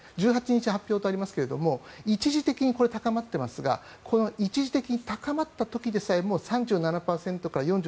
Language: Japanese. １８日発表とありますが一時的に高まっていますが一時的に高まった時でさえ３７％から４７％。